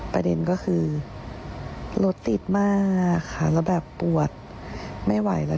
ประเด็นก็คือรถติดมากค่ะแล้วแบบปวดไม่ไหวแล้ว